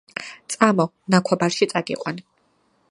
– წამო, ნაქვაბარში აგიყვან.